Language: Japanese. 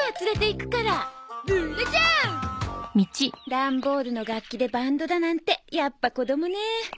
ダンボールの楽器でバンドだなんてやっぱ子供ねえ。